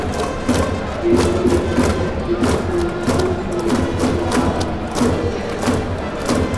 এই চলচ্চিত্রটি সংগীত পরিচালনা করেছিলেন কালীপদ সেন।